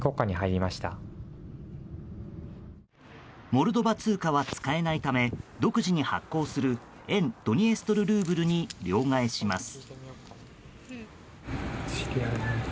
モルドバ通貨は使えないため独自に発行する沿ドニエストル・ルーブルに両替します。